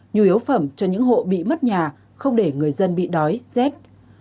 nhu yếu phẩm cho những hộ bị mất nhà không để người dân bị đói rét